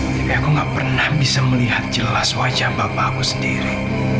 tapi aku gak pernah bisa melihat jelas wajah bapak aku sendiri